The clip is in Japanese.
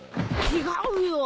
違うよ。